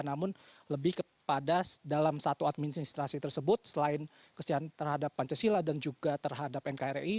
namun lebih kepada dalam satu administrasi tersebut selain kesejahteraan terhadap pancasila dan juga terhadap nkri